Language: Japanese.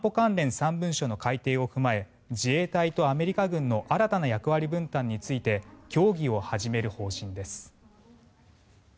３文書の改定を踏まえ自衛隊とアメリカ軍の新たな役割分担について協議を始める方針です。